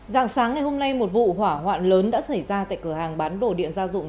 dạng sáng ngày hôm nay một vụ hỏa hoạn lớn đã xảy ra tại cửa hàng bán đồ điện gia dụng